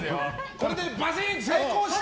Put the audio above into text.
これでバシンと成功して。